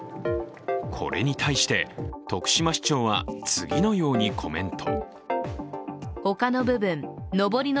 これに対して、徳島市長は次のようにコメント。